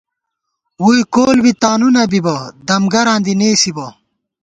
ووئی کول بی تانُو نہ بِبہ، دم گراں دی نېسِبہ